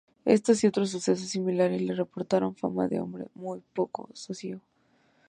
Estos y otros sucesos similares le reportaron fama de "hombre de muy poco sosiego".